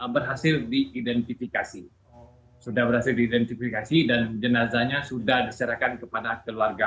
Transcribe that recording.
berhasil diidentifikasi sudah berhasil diidentifikasi dan jenazahnya sudah diserahkan kepada keluarga